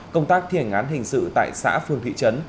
công tác thi hình án hình sự tại xã phường thị trấn